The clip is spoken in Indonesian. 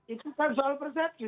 itu kan soal persetki